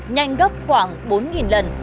nhanh gấp khoảng bốn lần